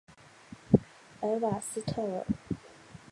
莱瓦斯特尔。